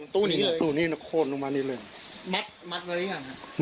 ตู้นี้เลยตู้นี้น่ะโคตรลงมานี่เลยมัดมัดไว้อย่างน่ะ